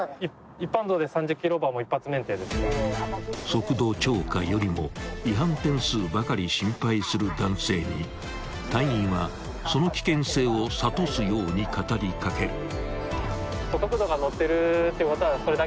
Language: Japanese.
［速度超過よりも違反点数ばかり心配する男性に隊員はその危険性を諭すように語りかける］